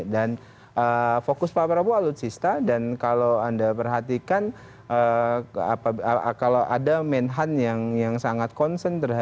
dan fokus pak prabowo alutsista dan kalau anda perhatikan kalau ada menhan yang sangat concern terhadap modernisasi alutsista saya pikir adalah salah satunya yang paling getol adalah pak prabowo